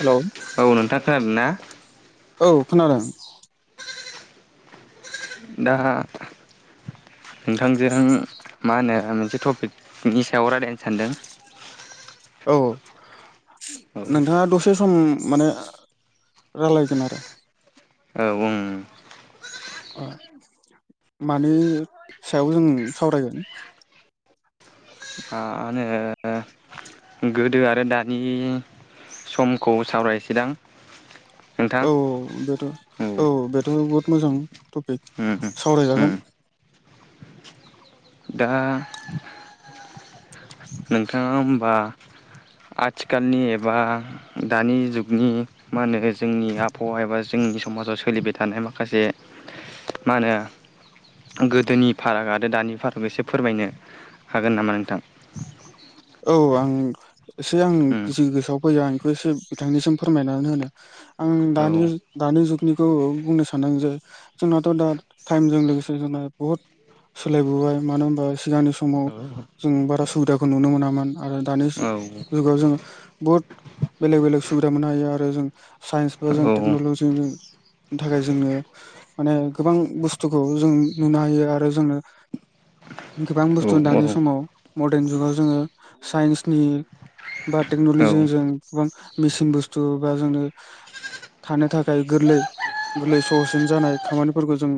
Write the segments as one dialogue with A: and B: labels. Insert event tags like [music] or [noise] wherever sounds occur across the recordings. A: Hello
B: औ नोंथां खोनादोंना?
A: औ खोनादों
B: दा नोंथांजों मा होनो मोनसे टपिकनि सायाव राय्लायनो सानदों।
A: औ
B: औ
A: नोंथाङा दसे दसे सम माने रायलायगोन आरो।
B: औ ओं
A: मानि सायाव जों सावरायगोन।
B: आ मा होनो गोदो आरो दानि समखौ सावरायनोसै दां।
A: औ बेथ' औ बेथ' बहुद मोजां टपिक
B: उम
A: सावरायजागोन।
B: दा नोंथाङा होमबा आथिखालनि एबा दानि जुगनि मा होनो जोंनि आबहावा एबा जोंनि समाजाव सोलिबाय थानाय माखासे मा होनो गोदोनि फाराग आरो दानि फाराग एसे फोरमायनो हागोन नामा नोंथां।
A: औ आं एसे आं
B: उम
A: जि गोसोआव फैयो आं बेखौ एसे बिथांनिसिम फोरमायनानै होनो। आं
B: औ
A: दानि दानि जुगनिखौ बुंनो सानदों आं जे जोंनाथ' दा टाइमजों लोगोसे जोंना बहुत सोलायबोबाय मानो होनबा सिगांनि समाव
B: औ
A: जों बारा सुबिदाखौ नुनो मोना मोन आरो दानि
B: औ
A: जुगाव जोङो बुहुद बेलेग बेलेग सुबिदा मोननो हायो आरो जों साइन्स बा जों टेक्न'लजि थाखाय जोंनो माने गोबां बुस्थुखौ जों नुनो हायो आरो जोंनो गोबां बुस्थु दानि समाव मदार्न जुगाव जोङो साइन्सनि बा टेक्न'लजिजों जों गोबां मेसिन बुस्थु बा जोंनो थानो थाखाय गोरलै गोरलै सहसिन जानाय खामानिफोरखौ जों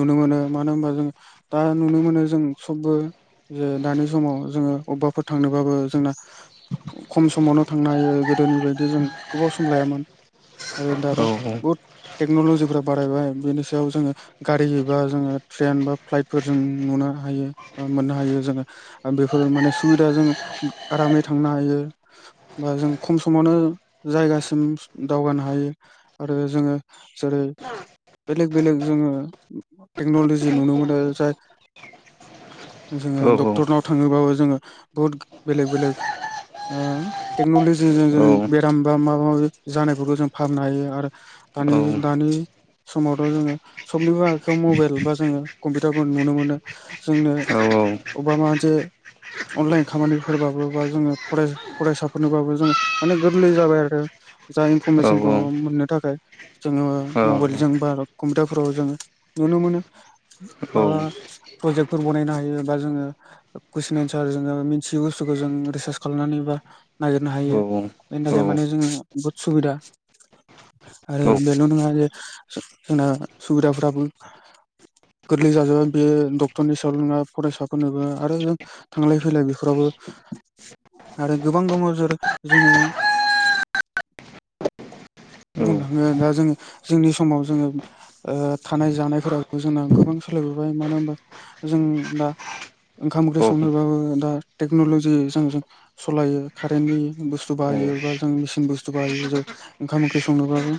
A: नुनो मोनो मानो होमबा जों दा नुनो मोनो जों सबबो जे दानि समाव जोङो अबबाफोर थांनोबाबो जोंना खम समावनो थांनो हायो गोदोनि बायदि जों गोबाव सम लायामोन। आरो दाथ' बुहुद टेक्न'लजिफ्रा बारायबाय बेनि सायाव जोङो गारि एबा जोङो ट्रेन बा फ्लाइटफोर जों नुनो हायो बा मोननो हायो जोङो। बेफोर माने सुबिदा जों आरामै थांनो हायो। बा जों खम समावनो जायगासिम दावगानो हायो। आरो जोङो जेरै बेलेग बेलेग जोङो टेक्न'लजि नुनो मोनो जाय जोङो डक्टरनाव थाङोबाबो जोङो बहुद बेलेग बेलेग ओ टेक्न'लजिजों जों बेराम बा माबा माबि जानायफोरखौ जों फाहामनो हायो आरो दानि दानि समावथ' जोङो सबनिबो आखाइयाव मबेइल बा जोङो कम्पिउटारखौ नुनो मोनो। जोंनो अबबा मा मोनसे अनलाइन खामानिफोरबाबो बा जोङो फराय फरायसाफोरनिबाबो जोङो माने गोरलै जाबाय आरो। जा इनफरमेसनखौ मोननो थाखाय जोङो मबाइलजों बा कम्पिउटारफोराव जोङो नुनो मोनो। माबा प्रजेक्टफोर बनायनो हायो बा जोङो गुस नेसार जोङो मिथियै बुस्थुखौ जों रिसार्च खालामनानै बा नागिरनो हायो। बेनि थाखाय माने जोङो बहुद सुबिदा। आरो बेल' नोङा जे जोंना सुबिदाफ्राबो गोरलै जाजोबबाय बेयो डक्टरनि सायावल' नङा फरायसाफोरनोबो आरो जों थांलाय फैलाय बेफोरावबो आरो गोबां दङ जेरै जोङो बुंनो थाङो दा जोङो जोंनि समाव जोङो ओ थानाय जानायफोराबो जोंना गोबां सोलायबोबाय मानो होमबा जों दा ओंखाम ओंख्रि संनोबाबो दा टेक्न'ल'जिजों जों सलायो कारेन्टनि बुस्थु बाहायो बा जों मेसिन बुस्थु बाहायो जो ओंखाम ओंख्रि संनोबाबो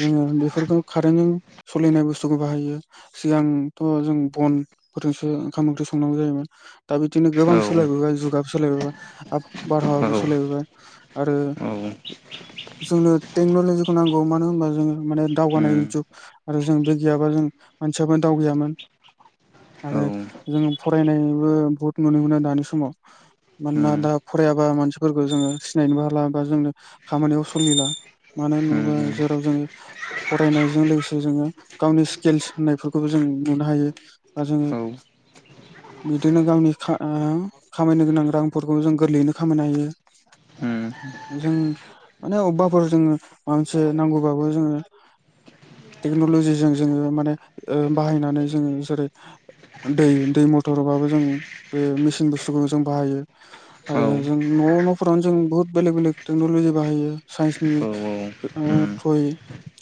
A: जोङो बेफोरखौ कारेन्टजों सलिनाय बुस्थुखौ बाहायो। सिगांथ' जों बनफोरजोंसो ओंखाम ओंख्रि संनांगौ जायोमोन। दा बिदिनो गोबां सोलायबोबाय जुगाबो सोलायबोबाय आब बारहावाबो सोलायबोबाय। आरो जोंनो टेक्न'लजिखौ नांगौ मानो होमबा जोङो माने दावगानाय जुग आरो जों बे गैयाबा जों मानसियाबो दावगायामोन। आरो जों फरायनायबो बहुत नुनो मोनो दानि समाव। मानोना दा फरायाबा मानसिफोरखौ जोङो सिनायनोबो हाला बा जोंनो खामानियाव सलिला। मानो होनोबा जेराव जों फरायनायजों लोगोसे जोङो गावनि स्किल्स होननायफोरखौबो जों नुनो हायो। दा जोङो बिदिनो गावनि खा ओ खामायनो गोनां रांफोरखौ जों गोरलैयैनो खामायनो हायो।
B: उम।
A: जों माने अबबाफोर जोङो माबा मोनसे नांगौबाबो जोङो टेक्न'लजिजों जोङो माने ओ बाहायनानै जोङो जेरै दै दै मथरबाबो जों बे मेसिन बुस्थुखौ जों बाहायो आरो जों न' न'फोरावनो जों बुहुत बेलेग बेलेग टेक्न'लजि बाहायो साइन्सनि। ओ ट्रयै।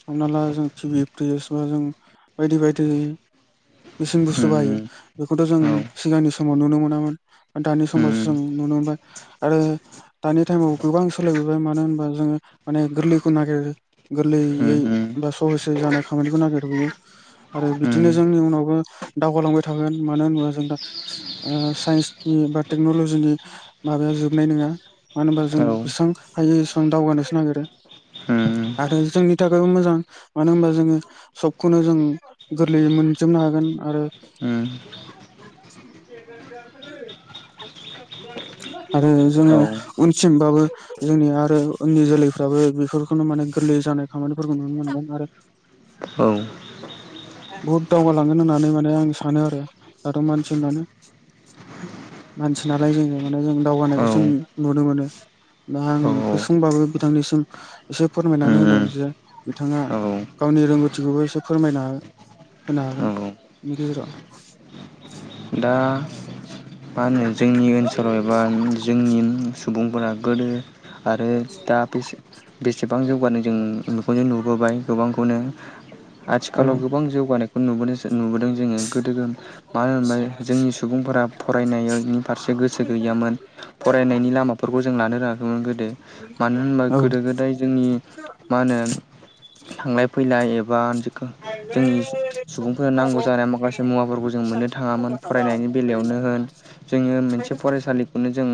A: हमना ला जों टिभि फ्रिस बा जों बायदि बायदि। मेसिन बुस्थु बाहायो बेखौथ' जों सिगांनि समाव नुनो मोनामोन दानि समावसो जों नुनो मोनबाय आरो दानि टाइमाव गोबां सोलायबोबाय मानो होनबा जोङो माने गोरलैखौ नागिरो। गोरलैयै बा सहसै जानाय खामानिखौ नागिरबोयो आरो बिदिनो जोंनि उनावबो दावगालांबाय थागोन मानो होनोबा जों दा‌ ओ साइन्सनि बा टेक्न'लजिनि माबाया जोबनाय नङा मानो होनबा जों बेसेबां हायो एसेबां दावगानोसो नागिरो आरो जोंनि थाखायबो मोजां मानो होनबा जोङो सबखौनो जों गोरलैयै मोनजोबनो हागोन आरो [unintelligible] आरो जोङो उनसिमबाबो जोंनि आरो उननि जोलैफ्राबो बेफोरखौनो माने गोरलै जानाय खामानिफोरखौ नुनो मोनगोन आरो
B: ओं।
A: बुहुद दावगालांगोन होननानै माने आं सानो आरो आरो मानसि होनबानो मानसि नालाय जोङो माने जों दावगानायखौसो नु नुनो मोनो। दा आं गुसुं बाबो बिथांनिसिम एसे फोरमायनानै होदों जे बिथाङा
B: औ
A: गावनि रोंगौथिखौबो एसे फोरमायना होनो हागोन
B: औ
A: बेनि गेजेराव।
B: दा मा होनो जोंनि ओनसोलाव एबा जोंनि बुंफोरा गोदो आरो दा बेसे बेसेबां जौगानाय जों [unintelligible] नुबोबाय गोबांखौनो
A: औ
B: आथिखालाव गोबां जौगानाय बेखौ नुबोदोंसो नुबोदों जोङो गोदो मानो होनोमोनलाय जोंनि सुबुंफोरा फरायनायनि फारसे गोसो गैयामोन। फरायनायनि लामाफोरखौ जों लानो रोङाखैमोन गोदो मानो होनबा
A: औ
B: गोदो गोदाय जोंनि मा होनो थांलाय फैलाय एबा जिखुनु जोंनि सु सुबुंफोरा नांगौ जानानै माखासे मुवाफोरखौ जों मोननो थाङामोन फरायनायनि बेलायावनो होन जोङो मोनसे फरायसालिखौनो जों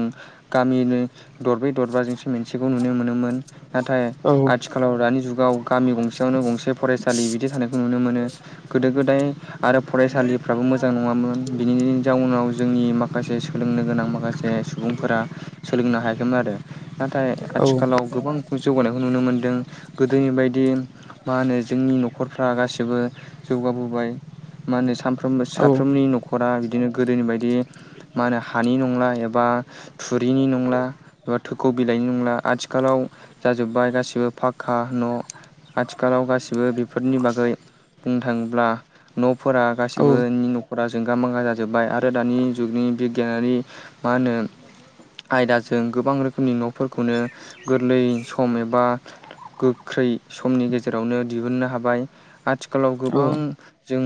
B: गामिनि दरब्रै दरबाजोंसो मोनसेखौ नुनो मोनोमोन नाथाय
A: औ
B: आथि खालाव दानि जुगाव गामि गंसेयावनो गंसे फरायसालि बिदि थानायखौ नुनो मोनो गोदो गोदाय आरो फरायसालिफ्राबो मोजां नङामोन। बिनिनि जाउनाव जोंनि माखासे सोलोंनो गोनां माखासे सुबुंफोरा सोलोंनो हायाखैमोन आरो। नाथाय
A: औ
B: आथिखालाव गोबां जौगानायखौ नुनो मोनदों गोदोनि बायदि मा होनो जोंनि न'खरफ्रा गासैसिबो जौगाबोबाय मा होनो सानफ्रोमबो
A: औ
B: साफ्रोमनि न'खरा बिदिनो गोदोनि बायदि मा होनो हानि नंला एबा थुरिनि नंला एबा थोखौ बिलाइनि नंला आथिखालाव जाजोब्बाय गासिबो फाक्का न'। आथिखालाव गासिबो बेफोरनि बागै बुंनो थाङोब्ला न'फोरा गासिबो
A: औ
B: नि न' जोंगा मांगा जाजोब्बाय आरो दानि जुगनि बिगियानारि मा होनो आयदाजों गोबां रोखोमनि न'फोरखौनो गोरलै सम एबा गोख्रै समनि गेजेरावनो दिहुननो हाबाय आथिखालाव गोबां
A: औ
B: जों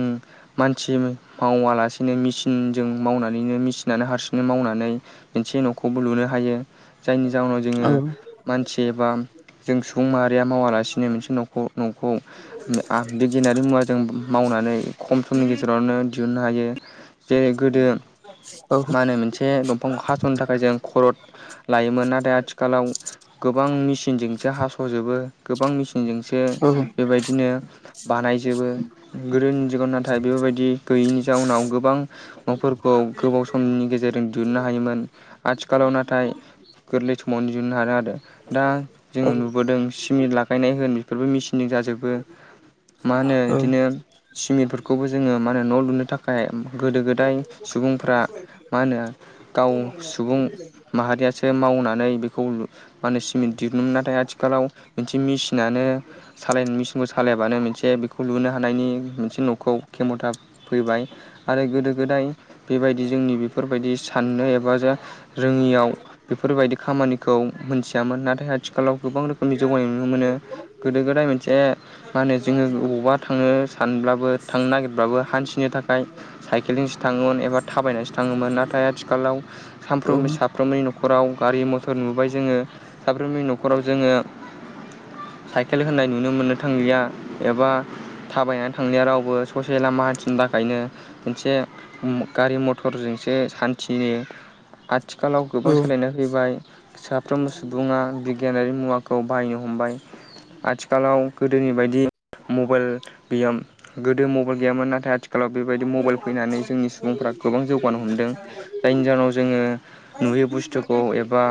B: मानसि मावा लासिनो मेसिनजों मावनानैनो मेसिनानो हारसिंयै मावनानै मोनसे न'खौबो लुनो हायो जायनि जााहोनाव
A: औ
B: जोङो मानसि एबा जों सुबुं माहारिया मावालासिनो मोनसे न' न'खौ [unintelligible] बिगियानारि मुवाजों मावनानै खम समनि गेजेरावनो दिहुननो हायो। जेरै गोदो मा होनो मोनसे दंफांखौ हा सनो थाखाय जों खर'द लायोमोन नाथाय आथि खालाव गोबां मेसिनजोंसो हास'जोबो। गोबां मेचिनजोंसो बेबायदिनो बानायजोबो गोदो [unintelligible] नाथाय बेफोरबायदि गैयैनि जाउनाव गोबां न'फोरखौ गोबाव समनि गेजेरजों दिहुननो हायोमोन आथिखालाव नाथाय गोरलै समावनो दिहुननो हादों आरो। दा दा जों नुबोदों सिमेन्ट लागायनाय होन बेफोरबो मेचिनजों जाजोबो। मा होनो इदिनो सिमिफोरखौबो जोङो मा होनो न' लुनो था खाय गोदो गोदाय सुबुंफ्रा मा होनो गाव सुबुं माहारियासो मावनानै बेखौ लु मा होनो स्मिट दिहुनमोन नाथाय आथिखालाव इदि मिसिनानो सालाय मेचिनखौ सालायबानो मोनसे बेखौ लुनो हानायनि मोनसे न'खौ खेमथा फैबाय। आरो गोदो गोदाय बेबायदि जोंनि बेफोरबायदि साननो एबा जा जोंनियाव बेफोरबायदि खामानिखौ मोनथियामोन नाथाय आथिखालाव गोबां रो खोमनि जौगानाय नुनो मोनो गोदो गोदाय मोनसे मा होनो जोङो अबावबा थांनो सानब्लाबो थांनो नागिरबाबो हान्थिनो था साइकेलजोंसो थाङोमोन एबा थाबायनासो थाङोमोन नाथाय आथिखालाव सानफ्रोमबो सा फ्रोमनि न'खराव गारि मथर नुबाय जोङो साफ्रोमनि न'खराव जोङो साइकेल होननाय नुनो मोननो थांलिया एबा थाबायनानै थांनाया रावबो ससे लामा हान्थिनो [unintelligible] खायनो मोनसे गारि मथरजोंसो सान्थि आथ आथिखालाव गोबां सोलायना फैबाय साफ्रोमबो सुबुङा बिगियानारि मुवाखौ बाहायनो हमबाय। आथिखालाव गोदोनि बायदि मबाइल गैयाम गोदो मबाइल गैयामोन नाथाय आथि खालाव बेबायदि मबाइल फैनानै जोंनि सुबुंफ्रा गोबां जौगानो हमदों जायनि जाउनाव जोंङो नुयै बुस्थुखौ एबा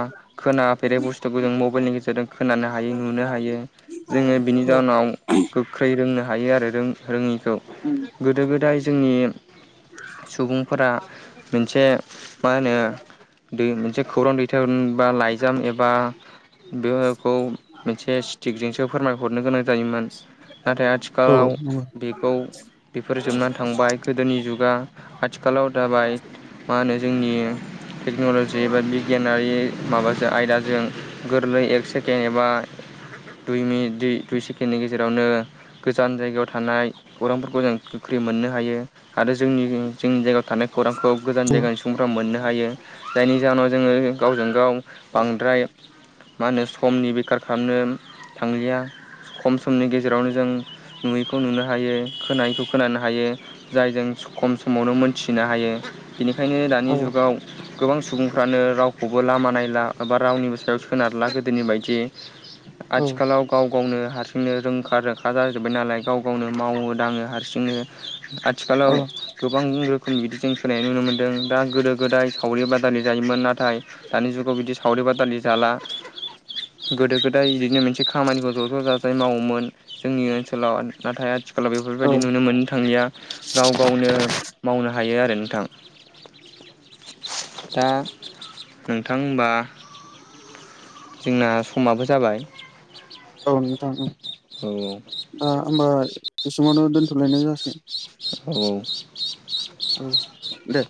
B: खोनाफेरै बुस्थुखौ जों मबाइलनि गेजेरजों खोनानो हायो नुनो हायो। जोङो बिनि जाहोनाव गोख्रै रोंनो हायो आरो रों रोङिखौ गोदो गो जाय जोंनि सुबुंफोरा मोनसे मा होनो दै मोनसे खौरां दैथाय [unintelligible] बा लाइजाम एबा बेवहाखौ मोनसे सिटिकजोंसो फोरमायहरनो गोनां जायोमोन नाथाय आथिखालाव बेखौ बेफोर जोबना थांबाय गोदोनि जुगा आथिखालाव दाबाय मा होनो जोंनि टेक्न'लजि एबा बि गियानारि माबाजों आयदाजों गोरलै एक सेकेन्ड एबा दुइ मिनिट दुइ दुइ सेकेणडनि गेजेरावनो गोजान जायगायाव थानाय खौरांफोरखौ जों गो मोननो हायो आरो जोंनि जोंनि जायगायाव थानाय खौरांखौ गोजान जायगानि सुबुंफ्रा मोननो हायो। जायनि जाहोनाव जोङो गावजों गाव बांद्राय मा होनो समनि बेखार खामनो थांलिया खम समनि गेजेरावनो जों नुयिखौ नुनो हायो खोनायिखौ खोनानो हायो जाय जों खम समावनो मोनथिनो हायो बेनिखायनो दानि जुगाव गोबां सुबुंफ्रानो रावखौबो लामा नायला एबा रावनिबो सायाव सोनारला गोदोनि बायदि।
A: [inaudible]
B: आथिखालाव गाव गावनो हारसिंनो रोंखा राखा जाजोब्बाय नालाय गाव गावनो मावो दाङो हारसिं [unintelligible]
A: औ
B: आथिखालाव गोबां रोखोमनि बिदि जों सोलायनाय नुनो मोन्दों दा गोदो गोदाय सावरि बादालि जायोमोन नाथाय दानि जुगाव बिदि सावरि बादालि जाला गोदो गोदाय बिदिनो मोनसे खामानिखौ ज' ज' जाजाय मावोमोन। जोंनि ओनसोलाव नाथाय आथिखालाव बेफो
A: औ
B: बिदि नुनो मोननो थांलिया गाव गावनो मावनो हायो आरो नोंथां। दा नोंथां होमबा जोंना समाबो जाबाय
A: औ नोंथां उ
B: औ
A: [unintelligible] ओमबाय बेसिमावनो दोन्थ'लायनाय जासिगोन
B: औ
A: उ दे